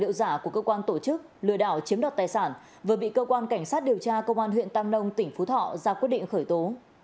tài liệu giả của cơ quan tổ chức lừa đảo chiếm đoạt tài sản vừa bị cơ quan cảnh sát điều tra công an huyện tam nông tỉnh phú thọ ra quyết định khởi tố